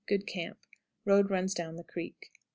Good camp. Road runs down the creek.